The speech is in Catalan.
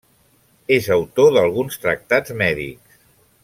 És autor d'alguns tractats mèdics.